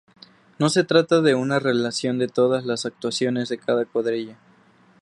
No se trata de una relación de todas las actuaciones de cada cuadrilla.